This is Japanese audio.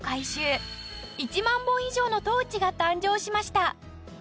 １万本以上のトーチが誕生しました